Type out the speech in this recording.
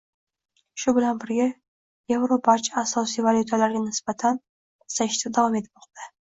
Shu bilan birga, evro barcha asosiy valyutalarga nisbatan pasayishda davom etmoqda